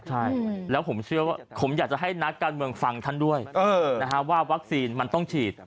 ใช่แล้วผมเชื่อว่าผมอยากจะให้นักการเมืองฟังท่านด้วยว่าวัคซีนมันต้องฉีด